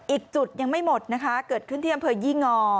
อีกจุดยังไม่หมดนะคะเกิดขึ้นที่อำเภอยี่งอ